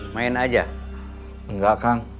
lu harus pake